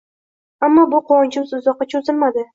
Ammo bu quvonchimiz uzoqqa cho`zilmadi